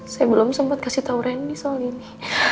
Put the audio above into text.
saya belum sempat kasih tau randy soal ini